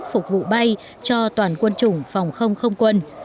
phục vụ bay cho toàn quân chủng phòng không không quân